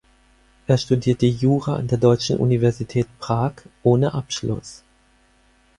Er studierte Jura an der Deutschen Universität Prag ohne Abschluss.